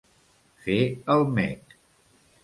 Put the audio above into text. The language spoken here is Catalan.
Fer el mec.